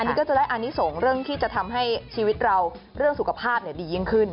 อันนี้ก็จะได้อนิสงฆ์เรื่องที่จะทำให้สุขภาพอย่างกว่าดียังขึ้น